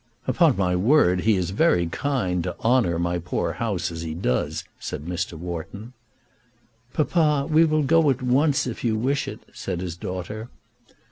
"Upon my word he is very kind to honour my poor house as he does," said Mr. Wharton. "Papa, we will go at once if you wish it," said his daughter.